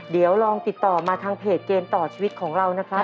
เดี๋ยวลองติดต่อมาทางเพจเกมต่อชีวิตของเรานะครับ